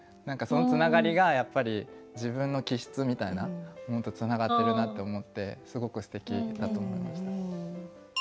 そのつながりがやっぱり自分の気質みたいなものとつながってるなって思ってすごくすてきだと思いました。